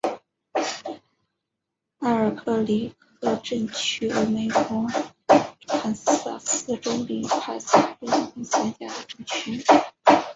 埃尔克里克镇区为美国堪萨斯州里帕布利克县辖下的镇区。